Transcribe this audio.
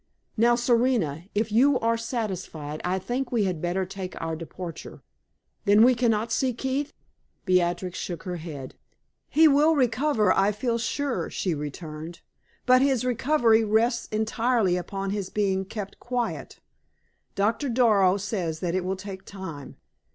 Now, Serena, if you are satisfied, I think we had better take our departure. Then we can not see Keith?" Beatrix shook her head. "He will recover, I feel sure," she returned; "but his recovery rests entirely upon his being kept quiet. Doctor Darrow says that it will take time.